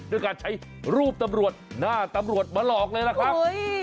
ด้วยการใช้รูปตำรวจหน้าตำรวจมาหลอกเลยล่ะครับ